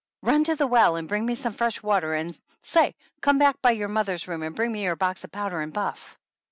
Run to the well and bring me some fresh water, and, say, come back by your mother's room and bring me her box of powder and puff.